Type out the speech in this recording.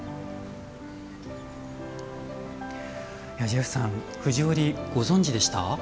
ジェフさん、藤織りご存じでした？